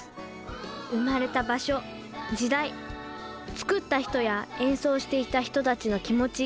生まれた場所時代作った人や演奏していた人たちの気持ち。